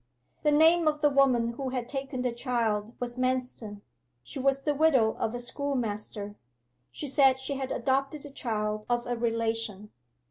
'The name of the woman who had taken the child was Manston. She was the widow of a schoolmaster. She said she had adopted the child of a relation.